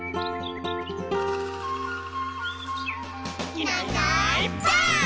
「いないいないばあっ！」